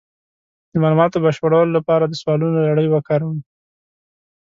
د معلوماتو د بشپړولو لپاره د سوالونو لړۍ وکاروئ.